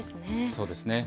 そうですね。